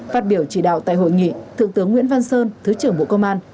phát biểu chỉ đạo tại hội nghị thượng tướng nguyễn văn sơn thứ trưởng bộ công an